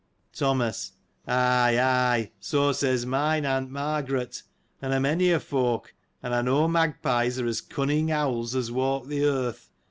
Thomas. — Ay, ay, so says mine aunt Margaret, and a many a folk, and I know magpies are as cunning owls as walk the earth.